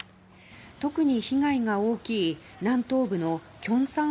特に被害が大きい南東部のキョンサン